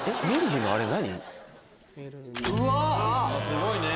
すごいね！